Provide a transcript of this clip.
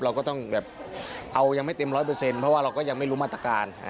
เราก็ต้องแบบเอายังไม่เต็ม๑๐๐เพราะว่าเราก็ยังไม่รู้มาตรการ